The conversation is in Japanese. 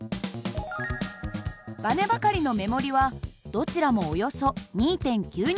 ばねばかりの目盛りはどちらもおよそ２．９Ｎ。